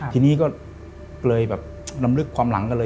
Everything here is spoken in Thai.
ทีนี้ก็เขรำรึกความหลังกันเลย